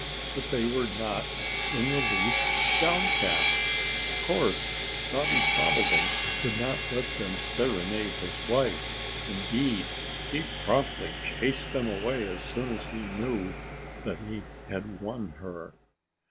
But they were not in the least downcast. Of course, Bobby Bobolink would not let them serenade his wife. Indeed he promptly chased them away as soon as he knew that he had won her.